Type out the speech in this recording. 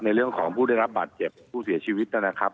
เรื่องของผู้ได้รับบาดเจ็บผู้เสียชีวิตนะครับ